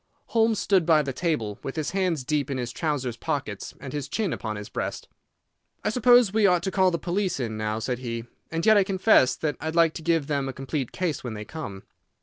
Holmes stood by the table, with his hands deep in his trouser's pockets and his chin upon his breast. "I suppose we ought to call the police in now," said he. "And yet I confess that I'd like to give them a complete case when they come."